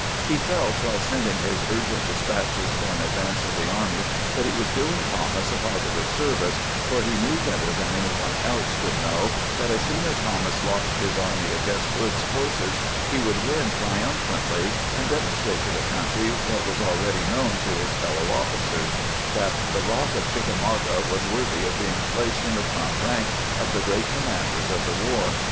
He felt while sending his urgent despatches for an advance of the army that he was doing Thomas a posi tive service ; for he knew better than any one else could know that as soon as Thomas launched his army against Hood's forces he would win triumphantly, and demon strate to the country what was already known to his feUow officers — that the "Rock of Chickamauga" was worthy of being placed in the front rank of the great commanders of the war.